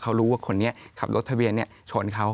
เขารู้ว่าคนนี้ขับรถทะเบียนชนเขา